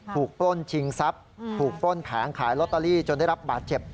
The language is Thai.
ปล้นชิงทรัพย์ถูกปล้นแผงขายลอตเตอรี่จนได้รับบาดเจ็บ